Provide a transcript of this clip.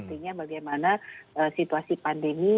artinya bagaimana situasi pandemi